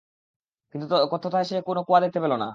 কিন্তু তথায় সে কোন কুয়া দেখতে পেল না।